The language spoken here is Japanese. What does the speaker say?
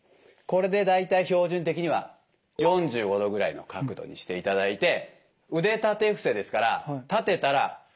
これで大体標準的には４５度ぐらいの角度にしていただいて腕立て伏せですから立てたら伏せます。